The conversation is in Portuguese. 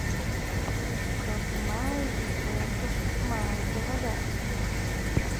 Quanto mais depressa, mais devagar.